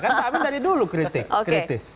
karena pak amin tadi dulu kritik